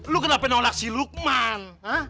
lo kenapa nolak si lukman